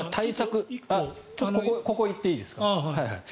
ちょっとここ行っていいですか？